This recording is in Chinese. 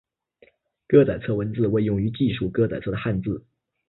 歌仔册文字为用于记述歌仔册的汉字。